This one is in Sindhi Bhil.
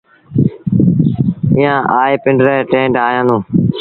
ايٚئآن آئي پنڊرآ ٽيٚنٽ هنيآندون۔